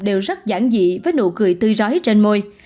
đều rất giản dị với nụ cười tươi rói trên môi